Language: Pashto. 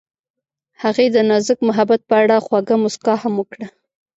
هغې د نازک محبت په اړه خوږه موسکا هم وکړه.